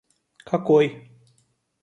какой